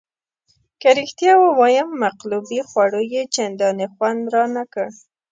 که رښتیا ووایم مقلوبې خوړو یې چندانې خوند رانه کړ.